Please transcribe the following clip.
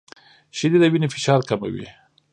• شیدې د وینې فشار کموي.